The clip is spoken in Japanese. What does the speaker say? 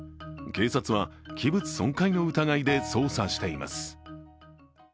警察は、器物損壊の疑いで捜査しています。